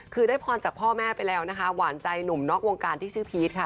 คือได้พรจากพ่อแม่ไปแล้วนะคะหวานใจหนุ่มนอกวงการที่ชื่อพีชค่ะ